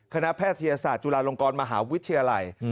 แพทยศาสตร์จุฬาลงกรมหาวิทยาลัย